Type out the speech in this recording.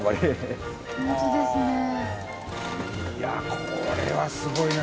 これはすごいな。